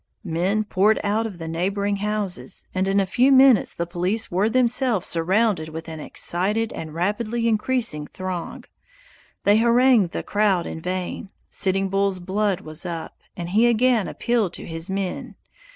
Men poured out of the neighboring houses, and in a few minutes the police were themselves surrounded with an excited and rapidly increasing throng. They harangued the crowd in vain; Sitting Bull's blood was up, and he again appealed to his men.